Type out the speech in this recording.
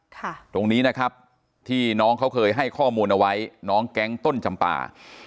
ตรงนี้นะครับที่น้องเขาเคยให้ข้อมูลเอาไว้น้องแก๊งต้นจำป่า